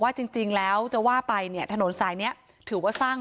ว่าจริงจริงแล้วจะว่าไปเนี่ยถนนซ้ายเนี่ยถือว่าสร้าง